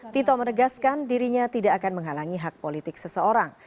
tito menegaskan dirinya tidak akan menghalangi hak politik seseorang